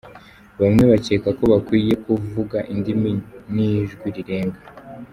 Bamwe bakeka ko bakwiye kuvuga indimi n’ijwi rirenga.